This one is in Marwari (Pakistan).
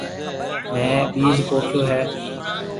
ميه ٻِيج پوکيو هيَ۔